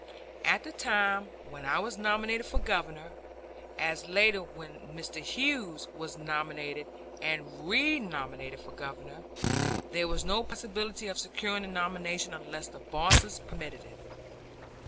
At the time when I was nominated for Governor, as later when Mr. Hughes was nominated and renominated for Governor, there was no possibility of securing the nomination unless the bosses permitted it.